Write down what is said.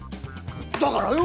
だからよ！